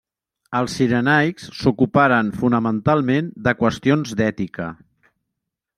Els cirenaics s'ocuparen fonamentalment de qüestions d'ètica.